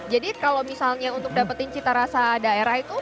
kalau misalnya untuk dapetin cita rasa daerah itu